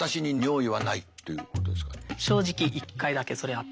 正直１回だけそれあった。